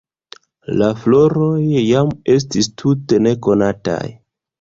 La floroj jam estis tute nekonataj.